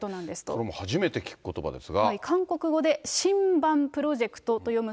それも初めて聞くことばですが。